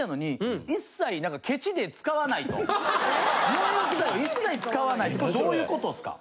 入浴剤を一切使わないってどういう事っすか？